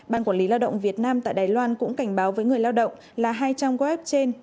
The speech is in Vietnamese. ban quản lý lao động việt nam tại đài loan cũng cảnh báo với người lao động là hai trang web trên